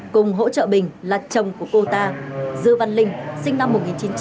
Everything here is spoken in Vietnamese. cùng hỗ trợ bình là chồng của cô ta dư văn linh sinh năm một nghìn chín trăm tám mươi